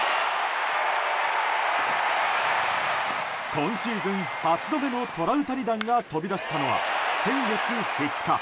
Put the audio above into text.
今シーズン８度目のトラウタニ弾が飛び出したのは先月２日。